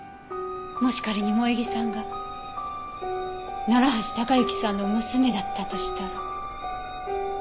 もし仮に萌衣さんが楢橋高行さんの娘だったとしたら。